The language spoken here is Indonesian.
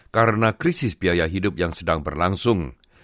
karena krisis biaya hidup yang sedang berlangsung